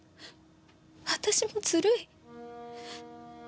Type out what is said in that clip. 私もずるい。